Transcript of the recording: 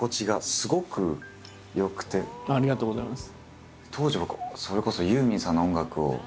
ありがとうございます。